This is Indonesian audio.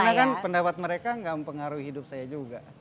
karena kan pendapat mereka gak mempengaruhi hidup saya juga